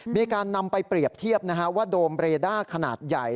มีการนำไปเปรียบเทียบว่าโดมเรด้าขนาดใหญ่